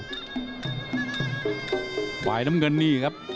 ฝ่ายน้ำเงินนี่ครับ